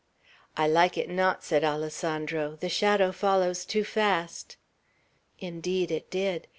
"I like it not!" said Alessandro. "The shadow follows too fast!" Indeed it did.